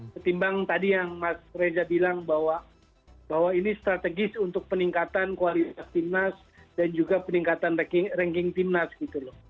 ketimbang tadi yang mas reza bilang bahwa ini strategis untuk peningkatan kualitas timnas dan juga peningkatan ranking timnas gitu loh